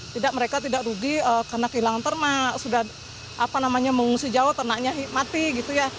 tidak mereka tidak rugi karena kehilangan ternak sudah apa namanya mengungsi jawa ternaknya mati gitu ya